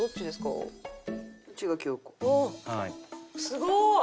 すごーい！